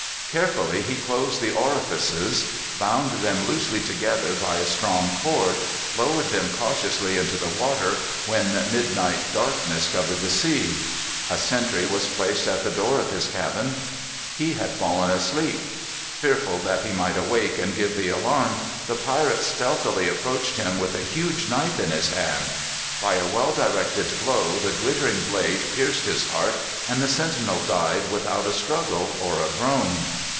Carefully he closed the orifices; bound them loosely together by a strong cord; lowered them cautiously into the water, when midnight darkness covered the sea. A sentry was placed at the door of the cabin. He had fallen asleep. Fearful that he might awake and give the alarm, the pirate stealthily approached him with a huge knife in his hand. By a well directed blow the glittering blade pierced his heart, and the sentinel died without a struggle or a groan.